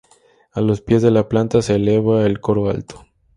A los pies de la planta se eleva el coro alto.